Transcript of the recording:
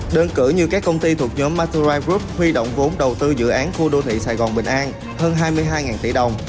đơn cử như các công ty thuộc nhóm maturi group huy động vốn đầu tư dự án khu đô thị sài gòn bình an hơn hai mươi hai tỷ đồng